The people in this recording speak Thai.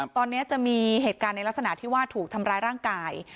ตอนนี้จะมีเหตุการณ์ในลักษณะที่ว่าถูกทำร้ายร่างกาย